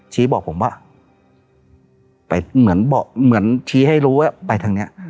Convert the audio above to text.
ชี้บอกผมว่าไปเหมือนบอกเหมือนชี้ให้รู้อะไปทางเนี้ย